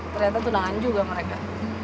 ternyata tunangan juga mereka